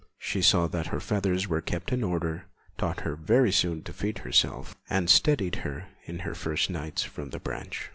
She saw that her feathers were kept in order, taught her very soon to feed herself, and steadied her in her first nights from the branch.